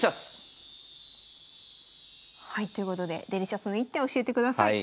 はいということでデリシャスの一手を教えてください。